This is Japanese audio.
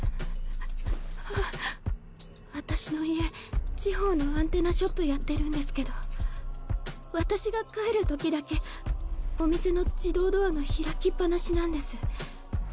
あっ私の家地方のアンテナショップやってるんですけど私が帰るときだけお店の自動ドアが開きっ放しなんです。